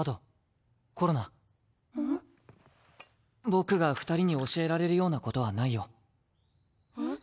僕が二人に教えられるようなことはないよ。えっ？